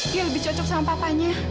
dia lebih cocok sama papanya